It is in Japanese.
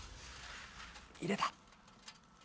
入れた。